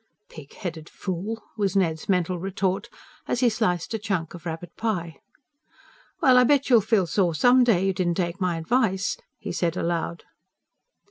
Pig headed fool! was Ned's mental retort, as he sliced a chunk of rabbit pie. "Well, I bet you'll feel sore some day you didn't take my advice," he said aloud.